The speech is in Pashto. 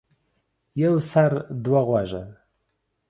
يو سر ،دوه غوږه.